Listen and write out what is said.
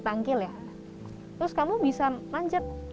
tujuh tahun ya terus kamu bisa manjat